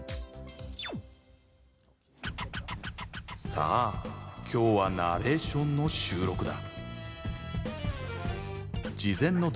さあ、今日はナレーションの収録だ。